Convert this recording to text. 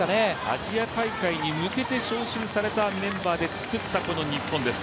アジア大会に向けて招集されたメンバーで作ったチームです。